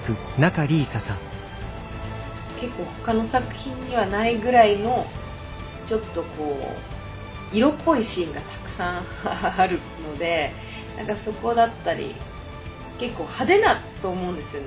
結構ほかの作品にはないぐらいのちょっとこう色っぽいシーンがたくさんあるのでそこだったり結構派手だと思うんですよね